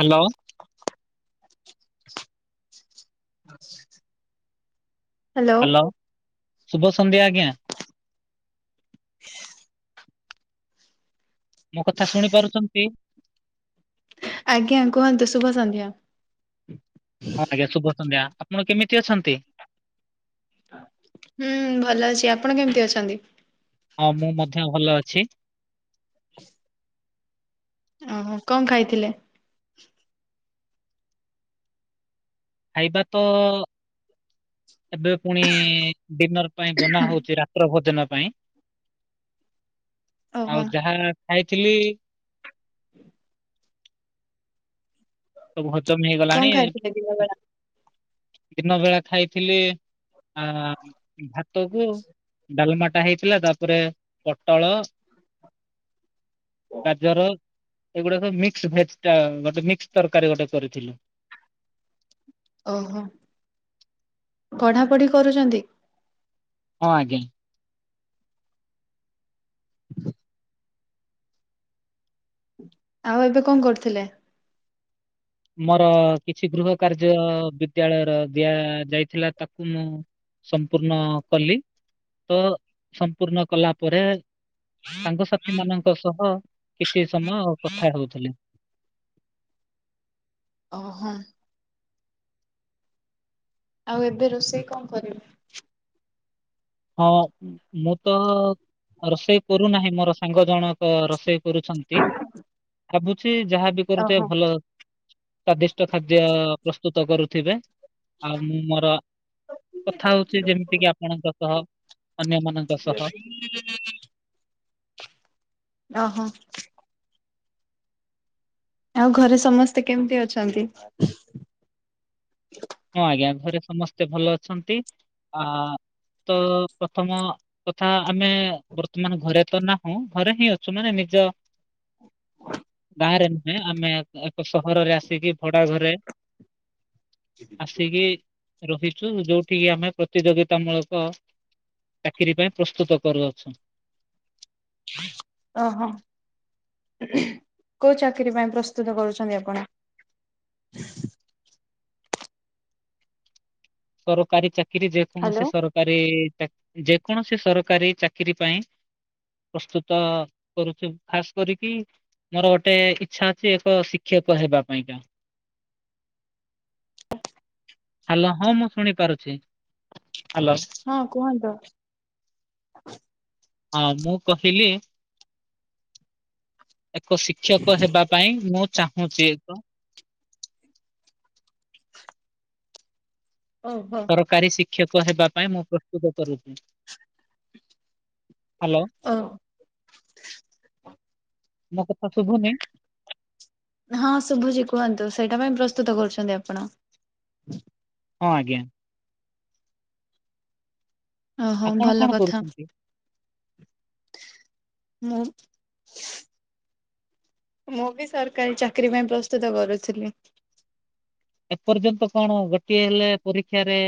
Hello. [unintelligible] Hello ଶୁଭ ସନ୍ଧ୍ୟା ଆଜ୍ଞା। [inaudible] ମୋ କଥା ଶୁଣି ପାରୁଚନ୍ତି? ଆଜ୍ଞା କୁହନ୍ତୁ ଶୁଭ ସନ୍ଧ୍ୟା। ହଁ, ଆଜ୍ଞା ଶୁଭ ସନ୍ଧ୍ୟା। ଆପଣ କେମିତି ଅଛନ୍ତି? ହୁଁ, ଭଲ ଅଛି ଆପଣ କେମିତି ଅଛନ୍ତି? ହଁ, ମୁଁ ମଧ୍ୟ ଭଲ ଅଛି। ଅହ କଣ ଖାଇଥିଲେ? ଖାଇବା ତ ଏବେ ପୁଣି ଡିନର ପାଇଁ ବନା ହଉଛି ରାତ୍ର ଭୋଜନ ପାଇଁ। ଓହୋ ଆଉ ଯାହା ଖାଇଥିଲି [inaudible] ସବୁ ହଜମ କଣ ହେଇଗଲାଣି ଖାଇଥିଲେ ଦିନ ବେଳା? [unintelligible] ଦିନ ବେଳା ଖାଇଥିଲି ଆ ଭାତ କୁ ଡାଲମା ଟା ହେଇଥିଲା ତା ପରେ ପଟଳ, ଗାଜର ଏଗୁଡା ସବୁ ମିକ୍ସ ଭେଜ ଟା ଗୋଟେ ମିକ୍ସ ତରକାରୀ ଗୋଟେ କରିଥିଲୁ। ଓହୋ ପଢାପଢି କରୁଛନ୍ତି? ହଁ, ଆଜ୍ଞା। [inaudible] ଆଉ ଏବେ କଣ କରୁଥିଲେ? ମୋର କିଛି ଗୃହ କାର୍ଯ୍ୟ ବିଦ ବିଦ୍ୟାଳୟର ଦିଆ ଯାଇଥିଲା ତାକୁ ମୁଁ ସମ୍ପୂର୍ଣ୍ଣ କଲି। ତ ସମ୍ପୂର୍ଣ୍ଣ କଲା ପରେ ସାଙ୍ଗସାଥୀ ମାନଙ୍କ ସହ କିଛି ସମୟ କଥା ହେଉଥିଲି। ଅ, ହଁ। ଆଉ ଏବେ ରୋଷେଇ କଣ କରିବେ? ହଁ, ମୁଁ ତ ରୋଷେଇ କରୁନାହିଁ ମୋର ସାଙ୍ଗ ଜଣେ ଅ ତ ରୋଷେଇ କରୁଛନ୍ତି ଭାବୁଛି ଯାହାବି କରୁଥିବେ ଓହୋ ଭଲ। ସ୍ଵାଦିଷ୍ଟ ଖାଦ୍ୟ ପ୍ରସ୍ତୁତ କରୁଥିବେ? ଆଉ ମୁଁ ମୋର କଥା ହଉଛି ଯେମିତି କିି ଆପଣଙ୍କ ସହ ଅନ୍ୟମାନଙ୍କ ସହ ଅ ହ। ଆଉ ଘରେ ସମସ୍ତେ କେମିତି ଅଛନ୍ତି [unintelligible] ହଁ, ଆଜ୍ଞା ଘରେ ସମସ୍ତେ ଭଲ ଅଛନ୍ତି ଆ ତ ପ୍ରଥମ ତଥା ଆମେ ବର୍ତ୍ତମାନ ଘରେ ତ ନାହୁଁ ଘରେ ହିଁ ଅଛୁ ମାନେ ନିଜ ଗାଁ ରେ ନୁହେଁ ଆମେ ଏକ ସହରରେ ଆସିକି ଭଡା ଘରେ ଆସିକି ରହିଛୁ ଯୋଉଠି କି ଆମେ ପ୍ରତିଯୋଗିତା ମୂଳକ ଚାକିରି ପାଇଁ ପ୍ରସ୍ତୁତ କରୁ ଅଛୁ। ଓହୋ କଉ ଚାକିର ପାଇଁ ପ୍ରସ୍ତୁତ କରୁଛନ୍ତି ଆପଣ? ସରକାରୀ ଚାକିରି ଯେ ହ୍ୟାଲୋ କୌଣସି ସରକାରୀ ଚାକ ଯେ କୌଣସି ସରକାରୀ ଚାକିରି ପାଇଁ ପ୍ରସ୍ତୁତ କରୁଛୁ ଖାସ୍ କରିକି ମୋର ଓଟେ ଇଛା ଅଛି, ଏକ ଶିକ୍ଷକ ହେବା ପାଇଁକା। ହାଲ, ହଁ, ମୁଁ ଶୁଣି ପାରୁଛି। ହାଲୋ! ହଁ କୁହନ୍ତୁ ହଁ, ମୁଁ କହିଲି ଏକ ଶିକ୍ଷକ ହେବା ପାଇଁ, ମୁଁ ଚାହୁଁଛି ଏକ। ଓହୋ ସରକାରୀ ଶିକ୍ଷକ ହେବା ପାଇଁ ମୁଁ ପ୍ରସ୍ତୁତ କରୁଛି। ହାଲୋ। ଓ ମୋ କଥା ଶୁଭୁନିଁ? ହଁ, ଶୁଭୁଛି କୁହନ୍ତୁ, ସେଇଟା ପାଇଁ ପ୍ରସ୍ତୁତ କରୁଛନ୍ତି ଆପଣ। ହଁ, ଆଜ୍ଞା। ଅ, ହଁ ଆପଣ ଭଲ କଣ କଥା। କରୁଛନ୍ତି? ମୁଁ। ମୁଁ ବି ସରକାରୀ ଚାକିରୀ ପାଇଁ ପ୍ରସ୍ତୁତ କରୁଥିଲି। ଏପର୍ଯ୍ୟନ୍ତ କଣ, ଗୋଟିଏ ହେଲେ ପରୀକ୍ଷାରେ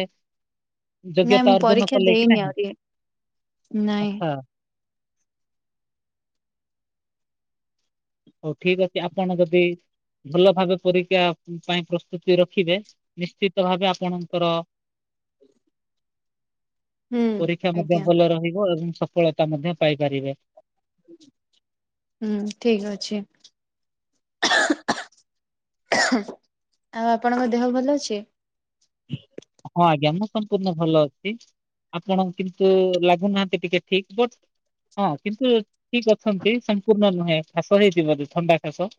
ନାଇଁ ଯୋଗ୍ୟତା ମୁଁ ଅର୍ଜନ ପରୀକ୍ଷା କଲେ କି ଦେଇନି ନାହିଁ? ଆହୁରି। ନାଇଁ ଆଛା। ହଉ ଠିକ୍ ଅଛି, ଆପଣ ଯଦି ଭଲ ଭାବେ ପରୀକ୍ଷା ପାଇଁ ପ୍ରସ୍ତୁତି ରଖିବେ ନିଶ୍ଚିତ ଭାବେ ଆପଣଙ୍କର ହ [inaudible] ପରୀକ୍ଷା ମଧ୍ୟ ଭଲ ରହିବ, ଏବଂ ସଫଳତା ମଧ୍ୟ ପାଇପାରିବେ। ହୁଁ ଠିକ୍ ଅଛି। ଆଉ, ଆପଣଙ୍କ ଦେହ ଭଲ ଅଛି? ହଁ, ଆଜ୍ଞା। ମୁଁ ସମ୍ପୂର୍ଣ୍ଣ ଭଲ ଅଛି, ଆପଣ କିନ୍ତୁ ଲାଗୁନାହାଁନ୍ତି, ଟିକେ ଠିକ୍ ବଟ୍ ହଁ, କିନ୍ତୁ ଠିକ୍ ଅଛନ୍ତି, ସମ୍ପୂର୍ଣ୍ଣ ନୁହେଁ! ଖାସ ହେଇଥିବ, ବଧେ ଥଣ୍ଡା ଖାସ!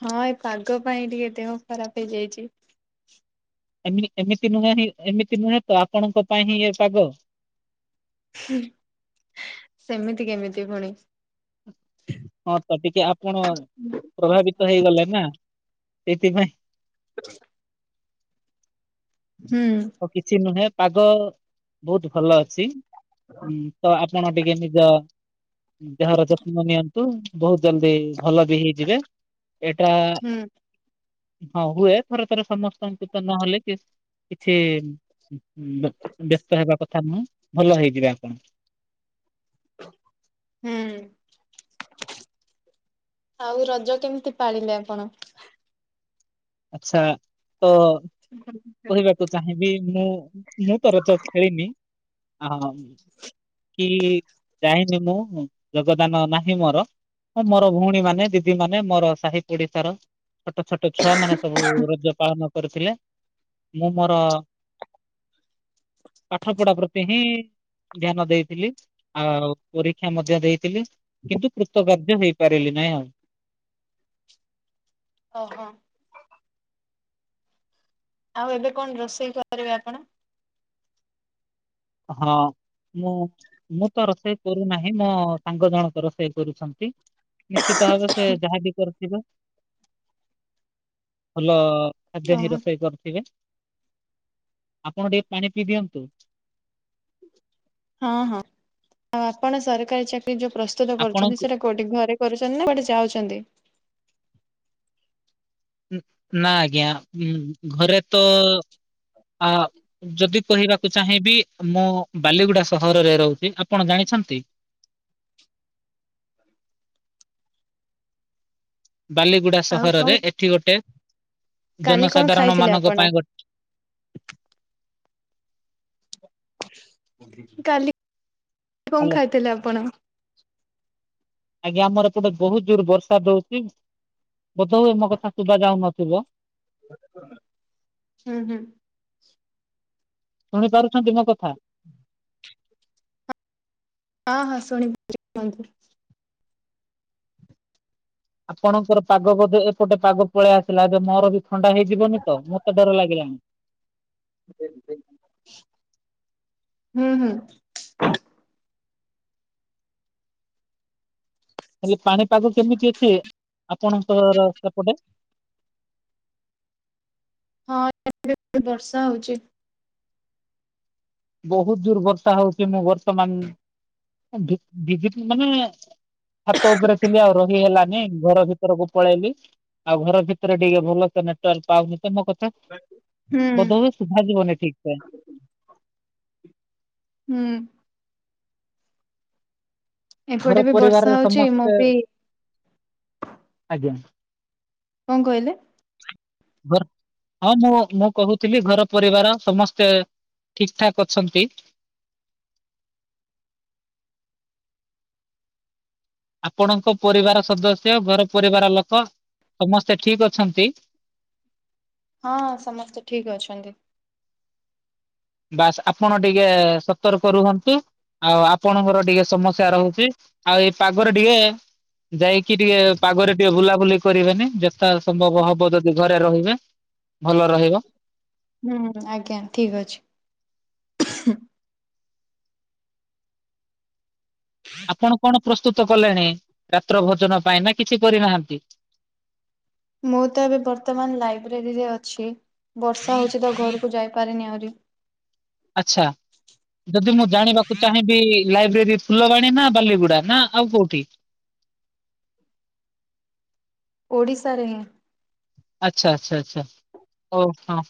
ହଁ, ଏ ପାଗ ପାଇଁ ଟିକେ ଦେହ ଖରାପ ହେଇଯାଇଛି। ଏମି ଏମିତି ନୁହେଁ, ହିଁ ଏମିତି ନୁହେଁ ତ, ଆପଣଙ୍କ ପାଇଁ ହିଁ ଏ ପାଗ! ସେମିତି କେମିତି ପୁଣି! ହଁ, ତ ଟିକେ ଆପଣ ପ୍ରଭାବିତ ହେଇଗଲେ ନା, ସେଇଥିପାଇଁ। ହା [inaudible] ହୁଁ। ଆଉ, କିଛି ନୁହେଁ। ପାଗ ବହୁତ ଭଲ ଅଛି। ହୁଁ। ତ ଆପଣ ଟିକେ ନିଜ ଦେହର ଯତ୍ନ ନିଅନ୍ତୁ। ବହୁତ ଜଲ୍ଦି ଭଲ ବି ହେଇଯିବେ। ଏଇଟା ହୁଁ ହଁ ହୁଏ। ଥରେ ଥରେ ସମସ୍ତଙ୍କୁ ତ ନହେଲେ କିସ୍ କିଛି ବ୍ୟ-ବ୍ୟସ୍ତ ହବା କଥା ନୁହଁ। ଭଲ ହେଇଯିବେ ଆପଣ। ହୁଁ। [inaudible] ଆଉ, ରଜ କେମିତି ପାଳିଲେ ଆପଣ? ଆଛା, ତ [unintelligible] କହିବାକୁ ଚାହିଁବି, ମୁଁ-ମୁଁ ତର ତ ଖେଳିନି। ଆଉଁ କି-ଇ ଯାଇନି ମୁଁ, ଯୋଗଦାନ ନାହିଁ ମୋର। ହଁ ମୋର ଭଉଣୀ ମାନେ, ଦିଦି ମାନେ, ମୋର ସାହି ପଡିଶାର ଛୋଟ ଛୋଟ ଛୁଆ ମାନେ ସବୁ ରଜ ପାଳନ କରୁଥିଲେ। ମୁଁ, ମୋର ପାଠ ପଢା, ପ୍ରତି ହିଁ ଧ୍ୟାନ ଦେଇଥିଲି, ଆଉ ପରୀକ୍ଷା ମଧ୍ୟ ଦେଇଥିଲି, କିନ୍ତୁ କୃତକାର୍ଯ୍ୟ ହେଇ ପାରିଲି ନାଇଁ ଆଉ। ଓ ହଁ। ଆଉ, ଏବେ କଣ ରୋଷେଇ କରିବେ ଆପଣ? ହଁ। ମୁଁ-ମୁଁ ତ ରୋଷେଇ କରୁନାହିଁ। ମୋ ସାଙ୍ଗ ଜଣଙ୍କ ରୋଷେଇ କରୁଛନ୍ତି। ନିଶ୍ଚିତ ଭାବ ସେ, ଯାହାବି କରୁଥିବ, ଭଲ ଖାଦ୍ୟ ହି ଓହୋ ରୋଷେଇ କରୁଥିବେ। ଆପଣ ଟିକେ ପାଣି ପିଇ ଦିଅନ୍ତୁ। ହଁ ହଁ ଆଉ ଆପଣ ସରକାରୀ ଚାକିରି ଯୋଉ ପ୍ରସ୍ତୁତ କରୁଛନ୍ତି ଆପଣଙ୍କୁ ସେଟା କୋଉଠି ଘରେ କରୁଛନ୍ତି ନା କୁଆଡ଼େ ଯାଉଛନ୍ତି। ଉଁ ନା ଆଜ୍ଞା ଉଁ ଘରେ ତ ଆ ଯଦି କହିବାକୁ ଚାହିଁବି ମୁଁ ବାଲିଗୁଡା ସହରରେ ରହୁଚି ଆପଣ ଜାଣିଛନ୍ତି। ବାଲିଗୁଡା ଆଉ କଣ ସହରରେ ଏଠି ଗୋଟେ କାଲି କଣ ଜନସାଧାରଣ ଖାଇଥିଲେ ମାନଙ୍କ ଆପଣ? ପାଇଁ ଗୋ କାଲି କଣ ଭଲ ଖାଇଥିଲେ ଆପଣ ଆଜ୍ଞା ଆମର ଏପଟେ ବହୁତ ଜୋର ବର୍ଷା ଦୋଉଚି ବୋଧହୁଏ ଆମ କଥା ଶୁଭ ଯାଉନଥିବ। ହୁଁ ହୁଁ। ଶୁଣିପାରୁଚନ୍ତି ମୋ କଥା। ହଁ ହଁ ଶୁଣି [unintelligible] କୁହନ୍ତୁ। ଆପଣଙ୍କର ପାଗ ବୋଧେ ଏପଟେ ପାଗ ପଳେଇ ଆସିଲା ଏବେ ମୋର ବି ଥଣ୍ଡା ହେଇଯିବନି ତ ମତେ ଡର ଲାଗିଲାଣି। [unintelligible] ହୁଁ ହୁଁ। ହେଲେ ପାଣିପାଗ କେମିତି ଅଛି। ଆପଣଙ୍କର ସେପଟେ। ହଁ [unintelligible] ବର୍ଷା ହଉଚି। ବହୁତ ଜୁର୍ ବର୍ଷା ହଉଚି ମୁଁ ବର୍ତ୍ତମାନ ଅ ଭିଜି ଭିଯିଚି ମାନେ ଛାତ ଉପରେ ଥିଲି ଆଉ ରହି ହେଲାନି ଘର ଭିତରକୁ ପଳେଇଆଲି। ଆଉ ଘର ଭିତରେ ଟିକେ ଭଲସେ ନେଟୱାର୍କ ପାଉନି ତ ମୋ କ ଥା ହୁଁ ବଧ ହୁଏ ସୁଭା ଜୀବନି ଠିକ ସେ। ହୁଁ। ଘର ଏପଟେ ବି ବର୍ଷା ପରିବାରରେ ହଉଚି ମୁଁ ସମସ୍ତେ ବି ଆଜ୍ଞା। କଣ କହିଲେ। ଘର ହଁ ମୁଁ ମୁଁ କହୁଥିଲି ଘର ପରିବାର ସମସ୍ତେ ଠିକ ଠାକ୍ ଅଛନ୍ତି। ଆପଣଙ୍କ ପରିବାର ସଦସ୍ୟ ଘର ପରିବାର ଲୋକ ସମସ୍ତେ ଠିକ ଅଛନ୍ତି। ହଁ ସମସ୍ତେ ଠିକ ଅଛନ୍ତି। ବାସ୍ ଆପଣ ଟିକେ ସତର୍କ ରୁହନ୍ତୁ। ଆଉ ଆପଣଙ୍କର ଟିକେ ସମସ୍ୟା ରହୁଚି ଆଉ ଏଇ ପାଗରେ ଟିକେ ଯାଇକି କି ଟିକେ ପାଗରେ ଟିକେ ବୁଲାବୁଲି କରିବେନି ଯଥା ସମ୍ଭବ ହବ ଯଦି ଘ ଘରେ ରହିବେ ଭଲ ରହିବ। ହୁଁ ଆଜ୍ଞା ଠିକ୍ ଅଛି। ଆପଣ କଣ ପ୍ରସ୍ତୁତ କଲେଣି ରାତ୍ର ଭୋଜନ ପାଇଁ ନା କିଛି କରିନାହାନ୍ତି। ମୁଁ ତ ଏବେ ବର୍ତ୍ତମାନ ଲାଇବ୍ରେରୀରେ ଅଛି। ବର୍ଷା ହଉଚି ତ ଘରକୁ ଯାଇପାରିନି ଆହୁରି। ଆଛା ଯଦି ମୁଁ ଜାଣିବାକୁ ଚାହିଁବି ଲାଇବ୍ରେରୀ ଫୁଲବାଣୀ ନା ବାଲିଗୁଡା ନା ଆଉ କୋଉଠି। ଓଡ଼ିଶାରେଁ ହିଁ। ଆଚ୍ଛା ଆଚ୍ଛା ଆଛା ଓ ହୋ।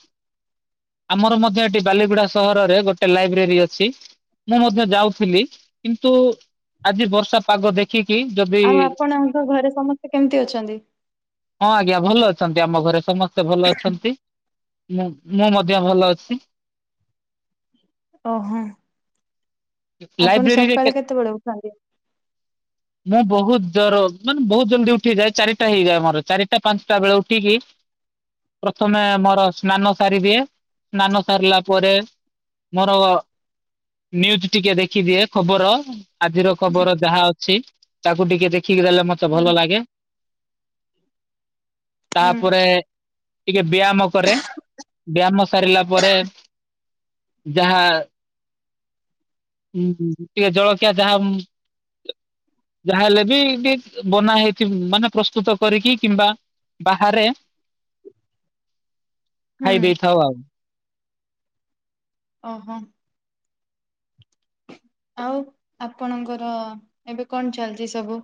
ଆମର ମଧ୍ୟ ଏଠି ବାଲିଗୁଡା ସହରରେ ଗୋଟେ ଲାଇବ୍ରେରୀ ଅଛି। ମୁଁ ମଧ୍ୟ ଯାଉଥିଲି କିନ୍ତୁ ଆଜି ବର୍ଷା ପାଗ ଦେଖିକି ଯଦି ଆଉ ଆପଣଙ୍କ ଘରେ ସମସ୍ତେ କେମିତି ଅଛନ୍ତି। ହଁ ଆଜ୍ଞା ଭଲ ଅଛନ୍ତି ଆମ ଘରେ ସମସ୍ତେ ଭଲ ଅଛନ୍ତି ମୁଁ ମୁଁ ମ ଧ୍ୟ ଭଲ ଅଛି। ଓହୋ ଆପଣ ସକାଳେ କେତେବେଳେ ଉଠନ୍ତି। ହ [inaudible] ମୁଁ ବହୁତ ଜର ମାନେ ବହୁତ ଜଲଦି ଉଠିଯାଏ ଚାରିଟା ହେଇଯାଏ ମୋର ଚାରିଟା ପାଞ୍ଚଟା ବେଳେ ଉଠିକି ପ୍ରଥମେ ମୋର ସ୍ନାନ ସାରିଦିଏ ସ୍ନାନ ସାରିଲା ପରେ ମୋର ନିଉଜି ଟିକେ ଦେଖିଦିଏ ଖବର ଆଜିର ଖବର ଯାହା ଅଛି ତାକୁ ଟିକେ ଦେଖିକି ଦେଲେ ମ ହୁଁ ଭଲ ଲାଗେ। ହୁଁ ତାପରେ ଟିକେ ବ୍ୟାୟାମ କରେ ବ୍ୟାୟାମ ସାରିଲା ପରେ ଯାହା ହୁଁ ଟିକେ ଜଳଖିଆ ଯାହା ଉଁ ଯାହାହେଲେ ବି ଟିକେ ବନା ହେଇଥି ମାନେ ପ୍ରସ୍ତୁତ କରିକି କିମ୍ବା ବାହାରେ ହୁଁ ଖାଇ ଦେଇଥାଉ ଆଉ ଅହୋ। ଆଉ ଆପଣଙ୍କର ଏବେ କଣ ଚାଲିଛି ସବୁ?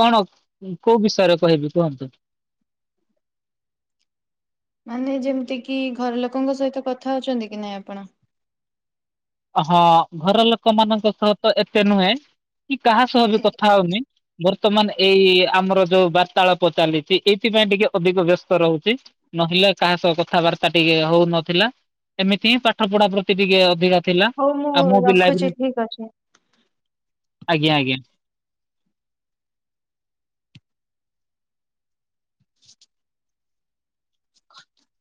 କଣ କୋଉ ବିଷୟରେ କହିବି କୁହନ୍ତୁ? ମାନେ ଯେମିତି କିି ଘର ଲୋକଙ୍କ ସହିତ କଥା ହଉଛନ୍ତି କି ନାଇଁ ଆପଣ? ହଁ ଘର ଲୋକ ମାନଙ୍କ ସହ ତ ଏତେ ନୁହେଁ। କି କାହା ସହ ବି କଥା ହଉନି। ବର୍ତ୍ତମାନ ଏଇ ଆମର ଯୋଉ ବାର୍ତାଳାପ ଚାଲିଛି। ଏଇଥିପାଇଁ ଟିକେ ଅଧିକ ବ୍ୟସ୍ତ ରହୁଛି। ନହେଲେ କାହା ସହ କଥାବାର୍ତ୍ତା ଟିକେ ହଉନଥିଲା। ଏମିତି ହିଁ ପାଠ ପଢା ପ୍ରତି ଟିକେ ଅଧିକା ଥିଲା ହଉ ମୁଁ ଆଉ ବି ଲାଇବ୍ରେରୀ ରଖୁଛି ଠିକ ଅଛି। ଆଜ୍ଞା ଆଜ୍ଞା। [inaudible] କର [inaudible]